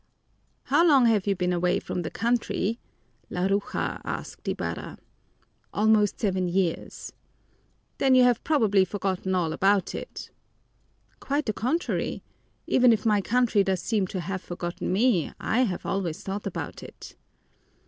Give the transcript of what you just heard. "How long have you been away from the country?" Laruja asked Ibarra. "Almost seven years." "Then you have probably forgotten all about it." "Quite the contrary. Even if my country does seem to have forgotten me, I have always thought about it."